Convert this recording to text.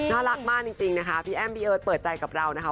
น่ารักมากจริงนะคะพี่แอ้มพี่เอิร์ทเปิดใจกับเรานะคะ